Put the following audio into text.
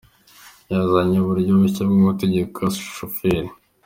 Yazanye uburyo bushya bwo gutegeka susheferi.